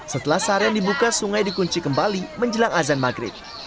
setelah seharian dibuka sungai dikunci kembali menjelang azan maghrib